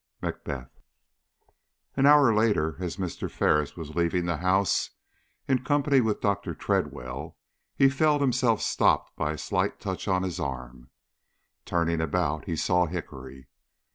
MACBETH. AN hour later, as Mr. Ferris was leaving the house in company with Dr. Tredwell, he felt himself stopped by a slight touch on his arm. Turning about he saw Hickory.